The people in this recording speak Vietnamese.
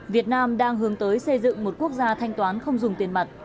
việt nam đang hướng tới xây dựng một quốc gia thanh toán không dùng tiền mặt